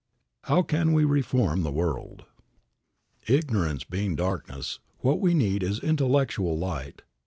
II. HOW CAN WE REFORM THE WORLD? IGNORANCE being darkness, what we need is intellectual light.